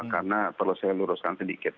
karena perlu saya luruskan sedikit